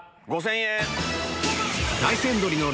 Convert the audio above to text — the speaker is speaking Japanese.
５０００円。